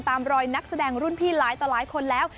ตามรอยนักแสดงรุ่นพี่หลายต่อหลายคนแล้ว